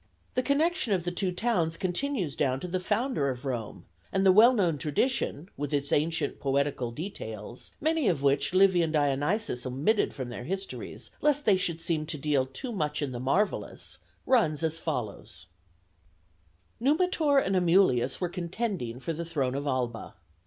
The connection of the two towns continues down to the founder of Rome; and the well known tradition, with its ancient poetical details, many of which Livy and Dionysius omitted from their histories lest they should seem to deal too much in the marvellous, runs as follows: Numitor and Amulius were contending for the throne of Alba.